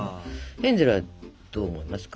ヘンゼルはどう思いますか？